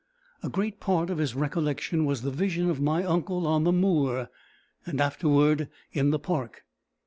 A great part of his recollection was the vision of my uncle on the moor, and afterward in the park.